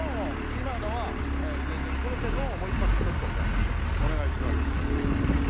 今のは前座でこの手本をもう一発ちょっとじゃあお願いします。